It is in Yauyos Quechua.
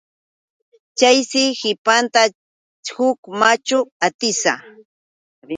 Chayshi qipanta huk machu atisa.